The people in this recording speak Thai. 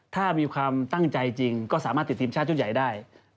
ถ้ามีความตั้งใจจริงก็สามารถติดทีมชาติชุดใหญ่ได้